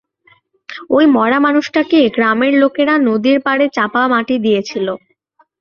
ঐ মরা মানুষটাকে গ্রামের লোকেরা নদীর পাড়ে চাপা মাটি দিয়েছিল।